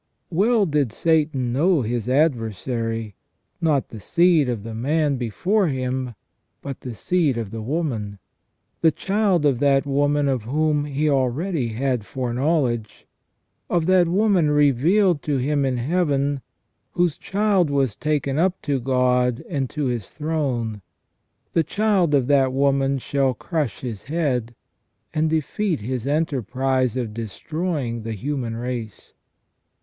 Well did Satan know his adversary ; not the seed of the man before him, but the seed of the woman ; the Child of that woman of whom he already had foreknowledge ; of that woman revealed to him in Heaven, whose Child was taken up to God and to His throne. The Child of that woman shall crush his head, and defeat his enterprise of destroying the human race.